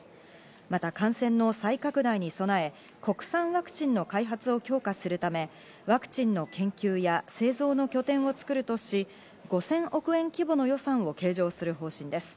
また感染の再拡大に備え、国産ワクチンの開発を強化するため、ワクチンの研究や製造の拠点を作るとし、５０００億円規模の予算を計上する方針です。